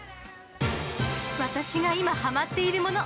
◆私が今、ハマっているもの